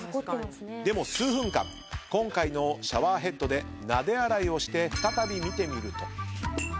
でも数分間今回のシャワーヘッドでなで洗いをして再び見てみると。